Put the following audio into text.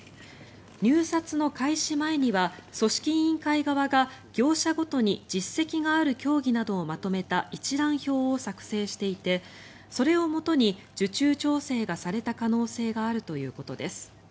入札の開始前には組織委員会側が業者ごとに実績がある競技などをまとめた一覧表を作成していてそれをもとに受注調整がされた可能性があるということです。